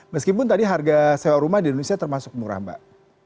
meskipun tadi harga sewa rumah di indonesia termasuk murah mbak